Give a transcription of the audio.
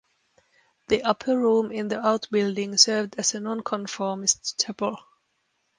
The upper room in the outbuilding served as a nonconformist chapel.